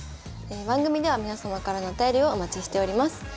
番組では皆様からのお便りをお待ちしております。